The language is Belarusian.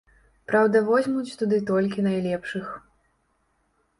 Праўда возьмуць туды толькі найлепшых.